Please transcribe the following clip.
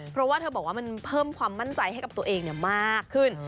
เพราะว่าเธอบอกว่ามันเพิ่มความมั่นใจให้กับตัวเองมากขึ้น